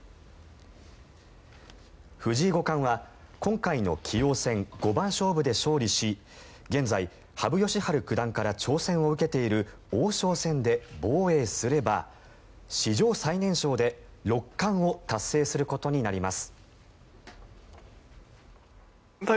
藤井五冠は今回の棋王戦五番勝負で勝利し現在、羽生善治九段から挑戦を受けている王将戦で防衛すれば史上最年少で六冠を達成することになります。